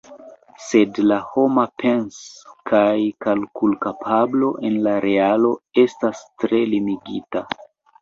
Sed la homa pens- kaj kalkulkapablo en la realo estas tre limigita.